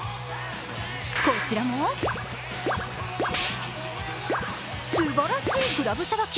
こちらもすばらしいクラブさばき。